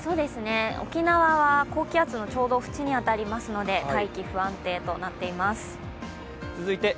沖縄は高気圧のちょうど縁に当たりますので、大気、不安定となっています。